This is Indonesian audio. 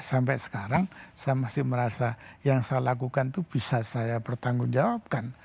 sampai sekarang saya masih merasa yang saya lakukan itu bisa saya pertanggungjawabkan